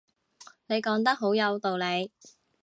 你講得好有道理